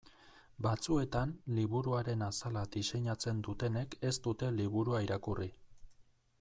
Batzuetan liburuaren azala diseinatzen dutenek ez dute liburua irakurri.